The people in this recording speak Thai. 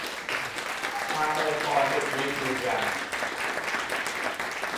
ทางองค์กรสิทธิยืนยัน